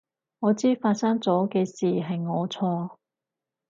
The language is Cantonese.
我知發生咗嘅事係我錯